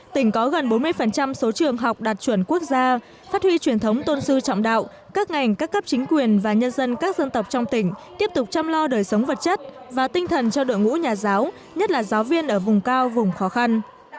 tỉnh có gần bốn mươi số trường học đạt chuẩn quốc gia phát huy truyền thống tôn sư trọng đạo các ngành các cấp chính quyền và nhân dân các dân tộc trong tỉnh tiếp tục chăm lo đời sống vật chất và tinh thần cho đội ngũ nhà giáo nhất là giáo viên ở vùng cao vùng khó khăn